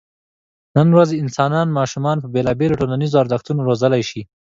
نن ورځ انسانان ماشومان په بېلابېلو ټولنیزو ارزښتونو روزلی شي.